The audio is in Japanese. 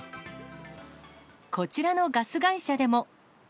こちらのガス会社でも。